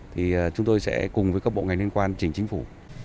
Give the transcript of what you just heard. thì chúng tôi sẽ cùng với các bộ ngành liên quan chỉnh chính phủ